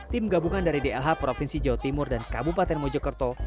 tim gabungan dari dlh provinsi jawa timur dan kabupaten mojokerto